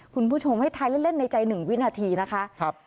คุณผู้ชมให้ทายเล่นในใจ๑วินาทีนะคะ